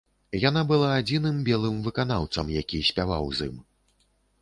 Яна была адзіным белым выканаўцам, які спяваў з ім.